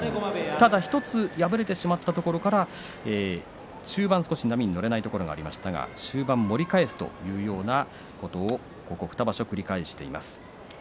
ただ１つ敗れてしまったところから中盤波に乗れないところがありましたが終盤、盛り返すというようなことをここ２場所、繰り返しています。